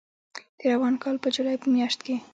د روان کال په جولای په میاشت کې